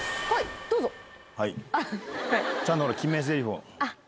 はいどうぞ。